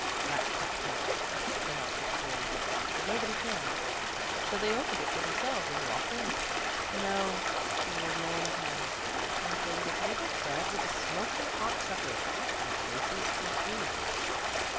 Rap, tap, tap! they knocked at the door, but nobody came; so they opened it for themselves and walked in. No ; there was no one at home, but there was a table spread with a smoking hot supper, and places for three.